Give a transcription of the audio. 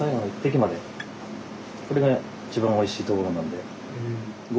これが一番おいしいところなんで。